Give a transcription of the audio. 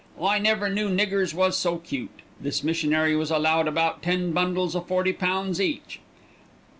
I never knew niggers was so cute. This missionary was allowed about ten bundles o' forty pounds each.